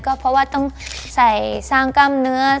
ก็เพราะว่าต้องใส่สร้างกล้ามเนื้อ